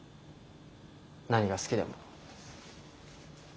何が好きでも。